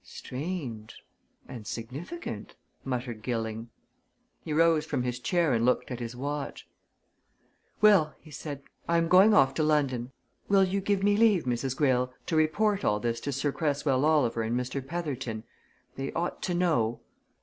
"Strange and significant!" muttered Gilling. He rose from his chair and looked at his watch. "Well," he went on, "I am going off to London. Will you give me leave, Mrs. Greyle, to report all this to Sir Cresswell Oliver and Mr. Petherton? They ought to know."